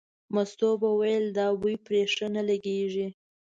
مستو به ویل دا بوی پرې ښه نه لګېږي.